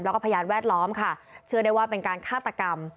แล้วก็พยานแวดล้อมค่ะเชื่อได้ว่าเป็นการฆาตกรรม